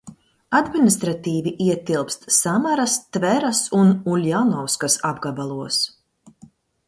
Administratīvi ietilpst Samaras, Tveras un Uļjanovskas apgabalos.